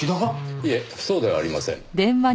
いえそうではありません。